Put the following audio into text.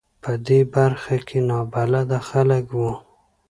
په دې برخه کې نابلده خلک و.